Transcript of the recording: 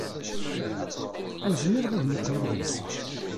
Ur zmireɣ ad muqqleɣ deg-sen.